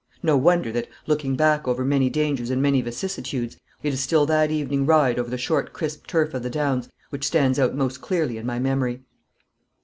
No wonder that, looking back over many dangers and many vicissitudes, it is still that evening ride over the short crisp turf of the downs which stands out most clearly in my memory.